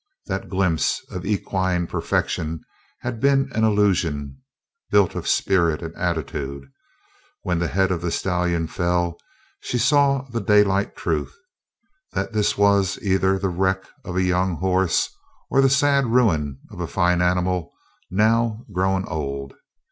That glimpse of equine perfection had been an illusion built of spirit and attitude; when the head of the stallion fell she saw the daylight truth: that this was either the wreck of a young horse or the sad ruin of a fine animal now grown old.